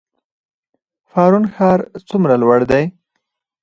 پارون ښار څومره لوړ دی؟